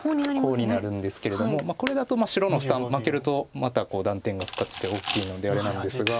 コウになるんですけれどもこれだと白の負担負けるとまた断点が復活して大きいのであれなんですが。